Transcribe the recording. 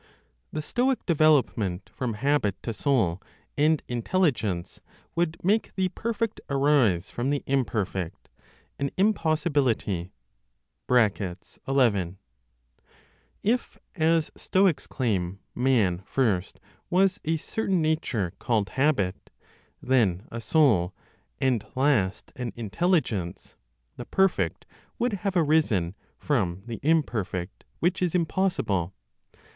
THE STOIC DEVELOPMENT FROM HABIT TO SOUL AND INTELLIGENCE WOULD MAKE THE PERFECT ARISE FROM THE IMPERFECT, AN IMPOSSIBILITY. (11). (If, as Stoics claim, man first was a certain nature called habit, then a soul, and last an intelligence, the perfect would have arisen from the imperfect, which is impossible).